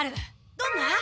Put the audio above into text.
どんな？